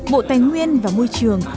bộ tài nguyên và môi trường